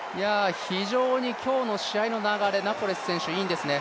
非常に今日の試合の流れ、ナポレス選手いいんですね。